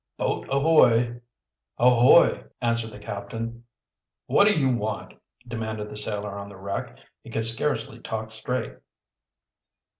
"Boat ahoy!" "Ahoy!" answered the captain. "What do you want?" demanded the sailor on the wreck. He could scarcely talk straight.